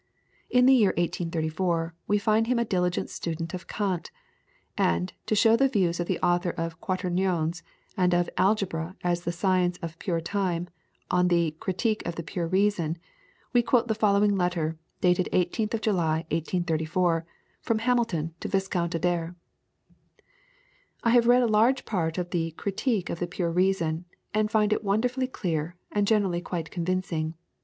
In the year 1834 we find him a diligent student of Kant; and, to show the views of the author of Quaternions and of Algebra as the Science of Pure Time on the "Critique of the Pure Reason," we quote the following letter, dated 18th of July, 1834, from Hamilton to Viscount Adare: "I have read a large part of the 'Critique of the Pure Reason,' and find it wonderfully clear, and generally quite convincing.